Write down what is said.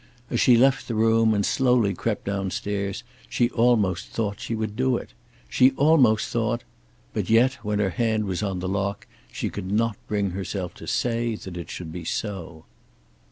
As she left the room, and slowly crept down stairs, she almost thought she would do it. She almost thought; but yet, when her hand was on the lock, she could not bring herself to say that it should be so.